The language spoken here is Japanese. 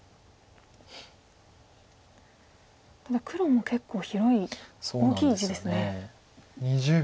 ただ黒も結構広い大きい地ですね。